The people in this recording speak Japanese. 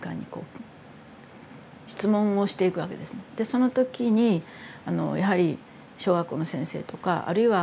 その時にやはり小学校の先生とかあるいは